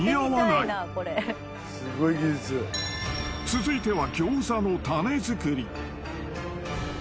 ［続いては］